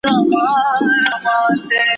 زه به د سبا لپاره د درسونو يادونه کړې وي!!